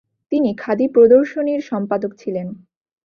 তিনি খাদি প্রদশর্নীর সম্পাদক ছিলেন।